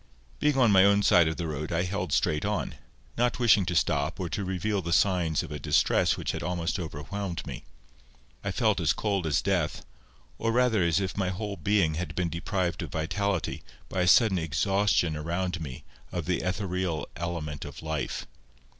Being on my own side of the road I held straight on, not wishing to stop or to reveal the signs of a distress which had almost overwhelmed me. I felt as cold as death, or rather as if my whole being had been deprived of vitality by a sudden exhaustion around me of the ethereal element of life.